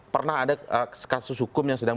pernah ada kasus hukum yang sedang